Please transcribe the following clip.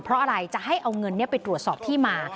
เพราะอะไรจะให้เอาเงินไปตรวจสอบที่มา